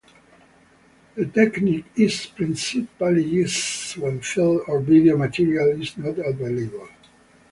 The technique is principally used when film or video material is not available.